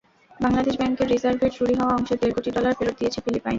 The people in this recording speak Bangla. বাংলাদেশ ব্যাংকের রিজার্ভের চুরি হওয়া অংশের দেড় কোটি ডলার ফেরত দিয়েছে ফিলিপাইন।